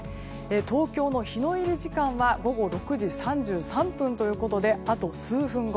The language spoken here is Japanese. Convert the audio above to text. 東京の日の入り時間は午後６時３３分ということであと数分後。